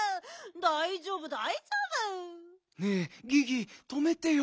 だいじょうぶだいじょうぶ！ねえギギとめてよ。